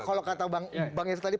kalau kata bang eff tadi